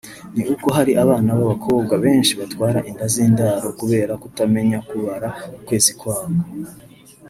ni uko hari abana b’abakobwa benshi batwara inda z’indaro kubera kutamenya kubara ukwezi kwabo